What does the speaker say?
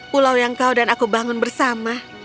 pulau yang kau dan aku bangun bersama